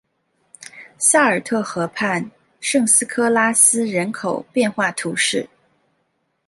萨尔特河畔圣斯科拉斯人口变化图示